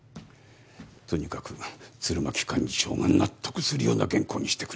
とにかく鶴巻幹事長が納得するような原稿にしてくれ。